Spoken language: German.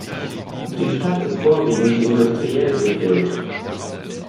Die Stadt ist vorwiegend industriell geprägt.